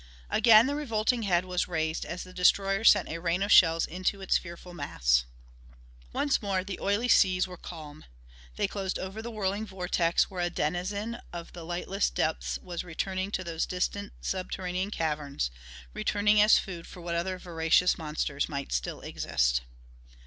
Again the revolting head was raised as the destroyer sent a rain of shells into its fearful mass. Once more the oily seas were calm. They closed over the whirling vortex where a denizen of the lightless depths was returning to those distant, subterranean caverns returning as food for what other voracious monsters might still exist.